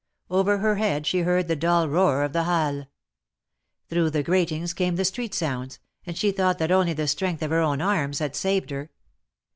Over her head she heard the dull roar of the ^ Halles. Through the gratings came the street sounds, and she thought that only the strength of her own arms had saved her.